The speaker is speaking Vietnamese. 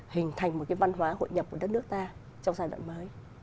hình thành một cái văn hóa hội nhập của đất nước ta trong giai đoạn mới